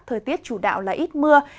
thời tiết chủ đạo là ít mưa